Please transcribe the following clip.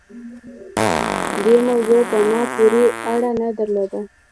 دې موضوع په ما پورې اړه نه درلوده.